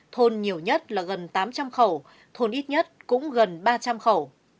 thôn nhiều nhất là gần tám trăm linh khẩu thôn ít nhất cũng gần ba trăm linh khẩu